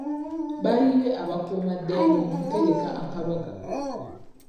Baayiye abakuuma ddembe mu kutegeka akabaga.